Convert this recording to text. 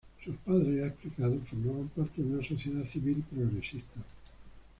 Sus padres -ha explicado- formaban parte de una sociedad civil progresista.